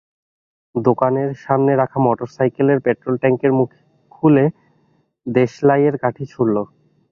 দোকানের সামনে রাখা মোটরসাইকেলের পেট্রল ট্যাংকের মুখ খুলে দেশলাইয়ের কাঠি ছুড়ল।